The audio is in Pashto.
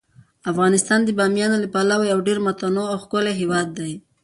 افغانستان د بامیان له پلوه یو ډیر متنوع او ښکلی هیواد دی.